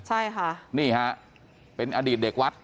ใช่ค่ะนี่ฮะเป็นอดีตเด็กวัด